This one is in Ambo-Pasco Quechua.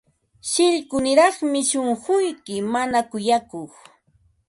Shillkuniraqmi shunquyki, mana kuyakuq.